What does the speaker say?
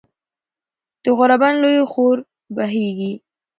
د غوربند لوے خوړ بهېږي